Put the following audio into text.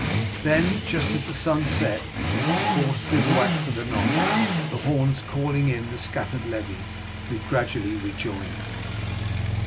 Then, just as the sun set, the force bivouacked for the night, the horns calling in the scattered levies, who gradually rejoined them.